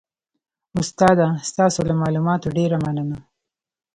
استاده ستاسو له معلوماتو ډیره مننه